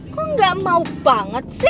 kok gak mau banget sih